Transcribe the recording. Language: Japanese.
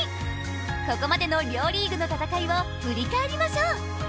ここまでの両リーグの戦いを振り返りましょう。